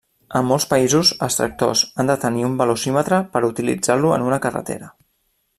En molts països, els tractors han de tenir un velocímetre per utilitzar-lo en una carretera.